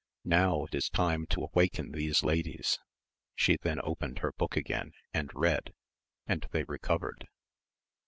Now it is time to awaken these ladies ; she then opened her book again, and read, and they re covered.